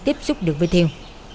tiếp xúc được với thêu